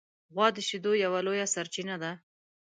غوا د شیدو یوه لویه سرچینه ده.